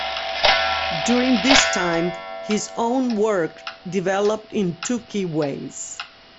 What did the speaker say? During this time his own work developed in two key ways.